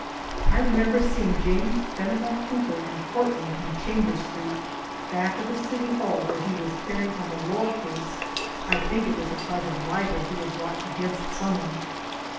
I remember seeing James Fenimore Cooper in a court room in Chambers street, back of the city hall, where he was carrying on a law case (I think it was a charge of libel he had brought against some one.)